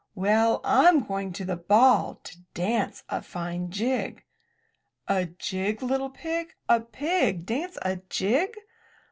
*' 'Well, Tm going to the ball to dance a fine jig!" "A jig, little pig! A pig dance a jig!